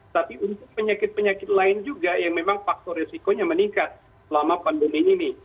tapi untuk penyakit penyakit lain juga yang memang faktor resikonya meningkat selama pandemi ini